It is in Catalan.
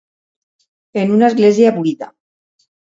En una església buida.